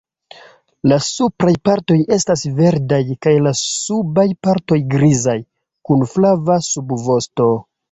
La supraj partoj estas verdaj kaj la subaj partoj grizaj, kun flava subvosto.